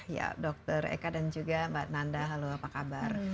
ya dr eka dan juga mbak nanda halo apa kabar